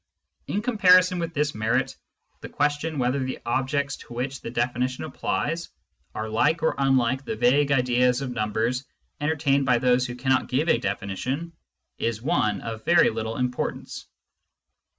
In comparison with this merit, the question whether the objects to which the definition applies are like or unlike the vague ideas of numbers entertained by those who cannot give a definition, is one of very little importance.